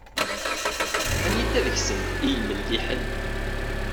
Anita deg-sent i imelliḥen?